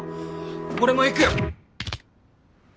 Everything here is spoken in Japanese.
俺もいくよ。